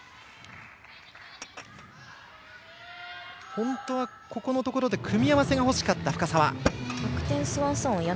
本当はここのところで組み合わせがほしかった深沢。